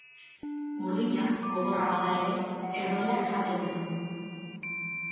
Burdina, gogorra bada ere, herdoilak jaten du.